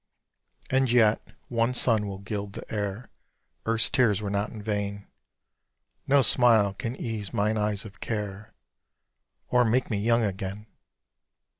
And yet, one sun will gild the air, Earth's tears were not in vain: No smile can ease mine eyes of care Or make me young again!